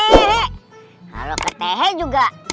kalau ke t juga